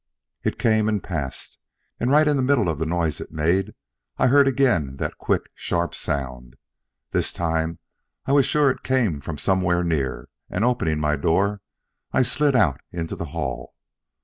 It came and passed, and right in the middle of the noise it made I heard again that quick, sharp sound. This time I was sure it came from somewhere near, and opening my door, I slid out into the hall.